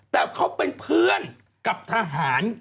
แต่เขาเป็นเพื่อนกับทหาร